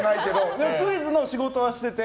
でも、クイズの仕事はしてて。